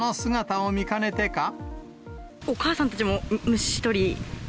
お母さんたちも虫捕り？